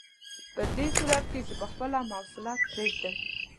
دویم په صورت کې چې په خپله مواصلت پرېږدئ.